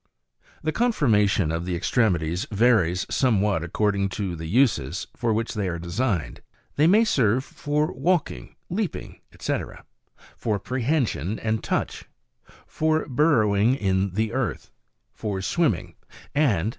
10. The conformation of the extremities varies somewhat ac cording to the uses for which they are designed. They may serve 1. For walking, leaping, &c.; 2. For prehension and touch; 3. For burrowing in the earth ; 4. For swimming ; and 5.